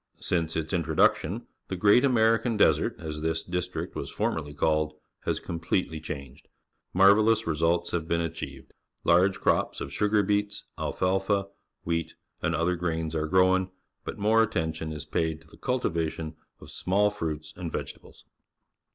Since its introduc tion, the "Great American Desert," as this district was formerly called, has completely changed. Marvellous results have been achieved. Large crops of sugar beets, alfalfa, wheat, and other grains are grown, but more attention is paid to the cultivation of small fruits and vegetables.